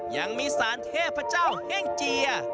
ยังมีสารเทพเข้งเจีย